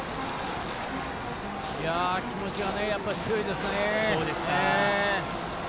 気持ちは強いですね。